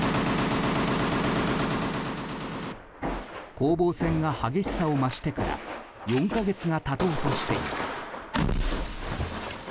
攻防戦が激しさを増してから４か月が経とうとしています。